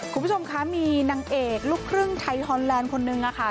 คุณผู้ชมคะมีนางเอกลูกครึ่งไทยฮอนแลนด์คนนึงค่ะ